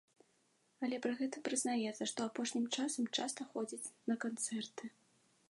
Але пры гэтым прызнаецца, што апошнім часам часта ходзіць на канцэрты.